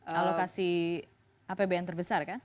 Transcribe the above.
alokasi apb yang terbesar kan